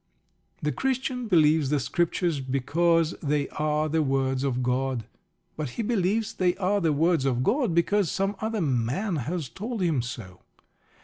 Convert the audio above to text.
The Christian believes the Scriptures because they are the words of God. But he believes they are the words of God because some other man has told him so.